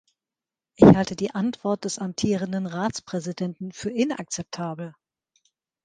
Ich halte die Antwort des amtierenden Ratspräsidenten für inakzeptabel.